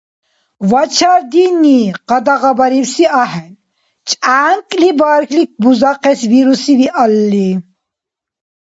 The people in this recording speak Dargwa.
Вачар динни къадагъабарибси ахӀен, чӀянкӀли бархьли бузахъес вируси виалли